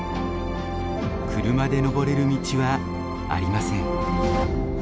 車で登れる道はありません。